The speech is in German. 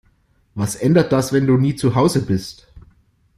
Was ändert das, wenn du nie zu Hause bist?